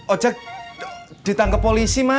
ojak ditangkap polisi ma